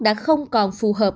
đã không còn phù hợp